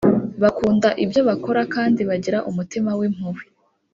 bakunda ibyo bakora kandi bagira umutima w’impuhwe